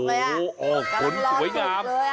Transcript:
กำลังหรอกเลยอ่ะ